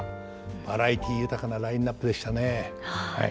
バラエティー豊かなラインナップでしたねはい。